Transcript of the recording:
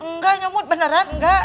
he enggak nyomud beneran enggak